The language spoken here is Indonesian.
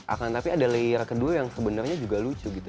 akan tapi ada layer kedua yang sebenarnya juga lucu gitu